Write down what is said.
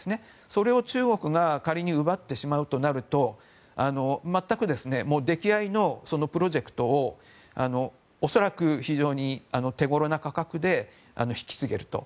それを中国が仮に奪ってしまうとなると全く出来合いのプロジェクトを恐らく非常に手ごろな価格で引き継げると。